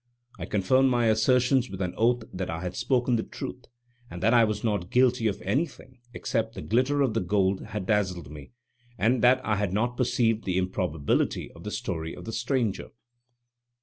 I confirmed my assertions with an oath that I had spoken the truth, and that I was not guilty of anything, except that the glitter of the gold had dazzled me, and that I had not perceived the improbability of the story of the stranger.